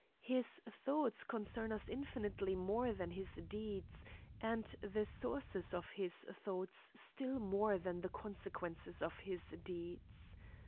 His thoughts concern us infinitely more than his deeds, and the sources of his thoughts still more than the consequences of his deeds.